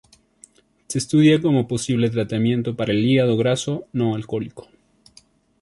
Se estudia como posible tratamiento para el hígado graso no alcohólico.